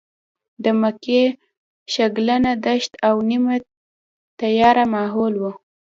د مکې شګلنه دښته او نیمه تیاره ماحول و.